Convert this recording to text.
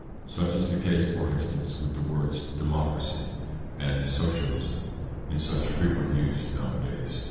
Such is the case, for instance, with the words "democracy" and "socialism" in such frequent use nowadays.